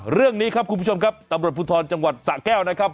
เรื่องนี้ครับคุณผู้ชมครับตำรวจภูทรจังหวัดสะแก้วนะครับ